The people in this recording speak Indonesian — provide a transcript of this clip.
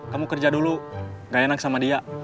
kamu kerja dulu gak enak sama dia